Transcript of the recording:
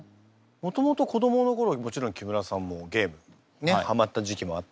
もともと子どもの頃もちろん木村さんもゲームハマった時期もあった。